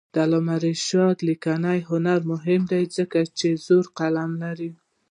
د علامه رشاد لیکنی هنر مهم دی ځکه چې زړور قلم لري.